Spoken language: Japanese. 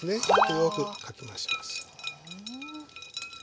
よくかき回します。